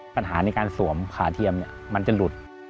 ปัญหาในการสวมขาเทียมมันจะหลุด